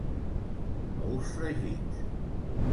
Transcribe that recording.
Ous fregits.